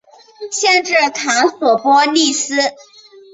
县治卡索波利斯。